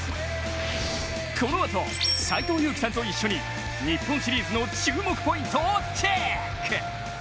このあと斎藤佑樹さんと一緒に日本シリーズの注目ポイントをチェック！